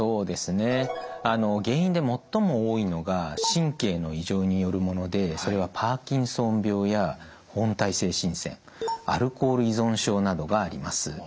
原因で最も多いのが神経の異常によるものでそれはパーキンソン病や本態性振戦アルコール依存症などがあります。